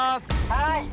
はい。